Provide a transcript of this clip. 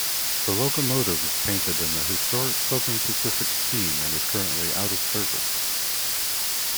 The locomotive is painted in the historic Southern Pacific scheme and is currently out-of-service.